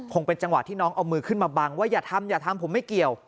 คงเป็นจังหวะที่น้องเอามือขึ้นมาบังว่าอย่าทำอย่าทำผมไม่เกี่ยว